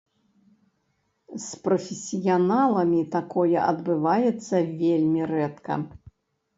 З прафесіяналамі такое адбываецца вельмі рэдка.